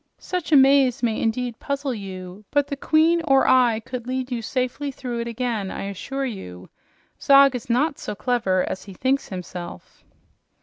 "Such a maze may indeed puzzle you, but the queen or I could lead you safely through it again, I assure you. Zog is not so clever as he thinks himself."